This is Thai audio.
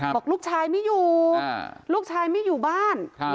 บอกลูกชายไม่อยู่ลูกชายไม่อยู่บ้าน